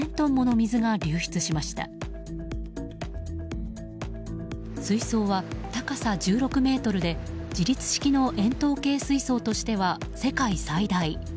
水槽は高さ１６ｍで、自立式の円筒形水槽としては世界最大。